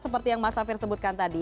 seperti yang mas safir sebutkan tadi